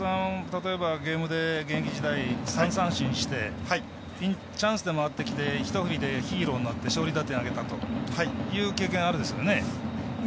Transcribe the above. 例えば、ゲームで現役時代３三振してチャンスで回ってきてひと振りでヒーローなって勝利打点挙げたなんていう経験ありますよね？